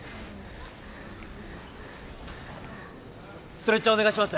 ストレッチャーお願いします。